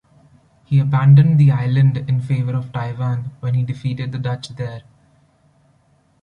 He abandoned the island in favor of Taiwan when he defeated the Dutch there.